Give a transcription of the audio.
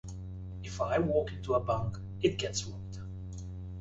If I walk into a bank, it gets robbed.